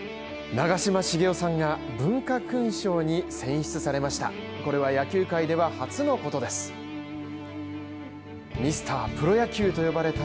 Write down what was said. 長嶋茂雄さんが文化勲章に選出されました。